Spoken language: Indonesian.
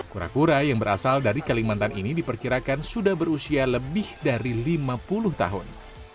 kura kura yang berasal dari kalimantan ini diperkirakan sudah berusia lebih dari lima puluh tahun